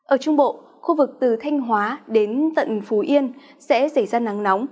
ở trung bộ khu vực từ thanh hóa đến tận phú yên sẽ xảy ra nắng nóng